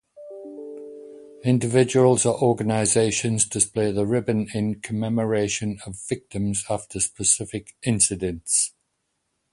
Individuals or organizations display the ribbon in commemoration of victims after specific incidents.